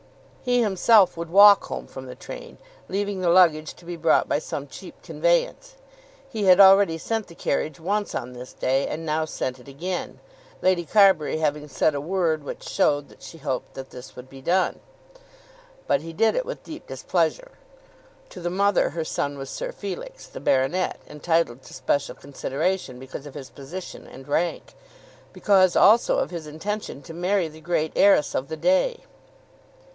He himself would walk home from the train, leaving the luggage to be brought by some cheap conveyance. He had already sent the carriage once on this day, and now sent it again, Lady Carbury having said a word which showed that she hoped that this would be done. But he did it with deep displeasure. To the mother her son was Sir Felix, the baronet, entitled to special consideration because of his position and rank, because also of his intention to marry the great heiress of the day.